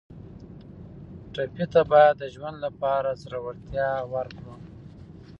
ټپي ته باید د ژوند لپاره زړورتیا ورکړو.